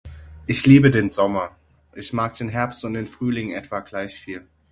Ich liebe den Sommer. Ich mag den Herbst und den Frühling etwa gleich viel.